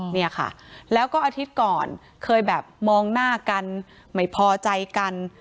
เนี่ยค่ะแล้วก็อาทิตย์ก่อนเคยแบบมองหน้ากันไม่พอใจกัน